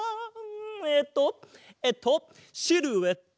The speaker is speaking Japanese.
えっとえっとシルエット！